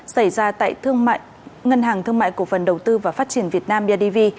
xảy ra tại ngân hàng thương mại cổ phần đầu tư và phát triển việt nam bidv